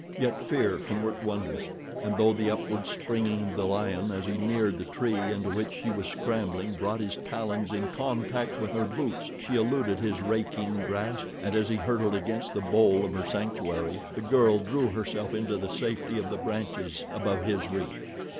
Yet fear can work wonders, and though the upward spring of the lion as he neared the tree into which she was scrambling brought his talons in contact with her boots she eluded his raking grasp, and as he hurtled against the bole of her sanctuary, the girl drew herself into the safety of the branches above his reach.